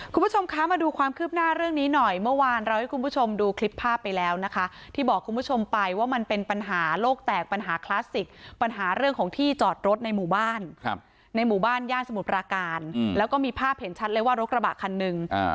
คุณผู้ชมคะมาดูความคืบหน้าเรื่องนี้หน่อยเมื่อวานเราให้คุณผู้ชมดูคลิปภาพไปแล้วนะคะที่บอกคุณผู้ชมไปว่ามันเป็นปัญหาโลกแตกปัญหาคลาสสิกปัญหาเรื่องของที่จอดรถในหมู่บ้านในหมู่บ้านย่านสมุทรปราการแล้วก็มีภาพเห็นชัดเลยว่ารถกระบะคันหนึ่ง